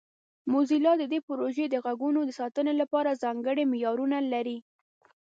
موزیلا د دې پروژې د غږونو د ساتنې لپاره ځانګړي معیارونه لري.